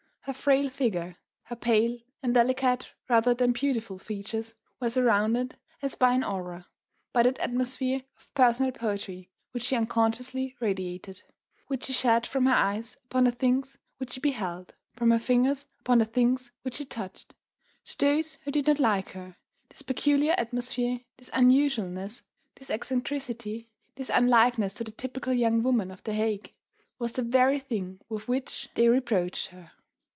Her frail figure, her pale and delicate rather than beautiful features were surrounded, as by an aura, by that atmosphere of personal poetry which she unconsciously radiated, which she shed from her eyes upon the things which she beheld, from her fingers upon the things which she touched. To those who did not like her, this peculiar atmosphere, this unusualness, this eccentricity, this unlikeness to the typical young woman of the Hague, was the very thing with which they reproached her.